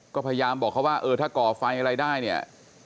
ก็พยายามบอกเขาว่าเออถ้าก่อไฟอะไรได้เนี่ย